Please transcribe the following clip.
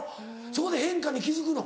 そこで変化に気付くの？